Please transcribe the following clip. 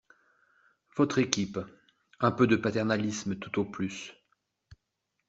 Votre équipe. Un peu de paternalisme, tout au plus.